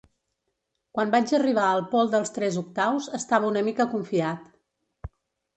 Quan vaig arribar al pol dels tres octaus estava una mica confiat.